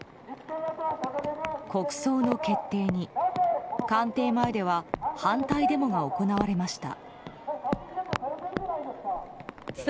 国葬の決定に官邸前では反対デモが行われました。